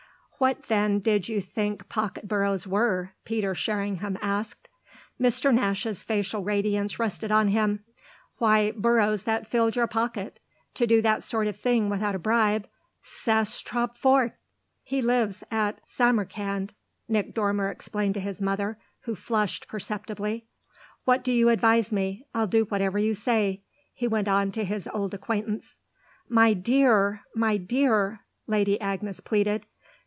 "What then did you think pocket boroughs were?" Peter Sherringham asked. Mr. Nash's facial radiance rested on him. "Why, boroughs that filled your pocket. To do that sort of thing without a bribe c'est trop fort!" "He lives at Samarcand," Nick Dormer explained to his mother, who flushed perceptibly. "What do you advise me? I'll do whatever you say," he went on to his old acquaintance. "My dear, my dear !" Lady Agnes pleaded.